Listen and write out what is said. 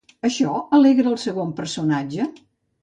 Això alegra el segon personatge?